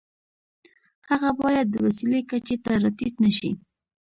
هغه باید د وسیلې کچې ته را ټیټ نشي.